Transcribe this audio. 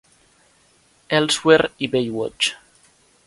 "Elsewhere" i "Baywatch".